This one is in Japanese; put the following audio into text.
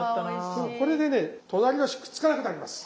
これでね隣同士くっつかなくなります。